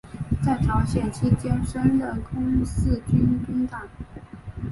在朝鲜期间升任空四军军长。